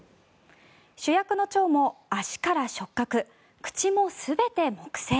主役のチョウも足から触角口も全て木製。